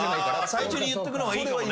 最初に言っとくのはいいかもね。